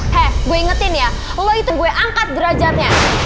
hef gue ingetin ya lo itu gue angkat derajatnya